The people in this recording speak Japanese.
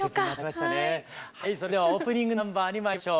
それではオープニングナンバーにまいりましょう。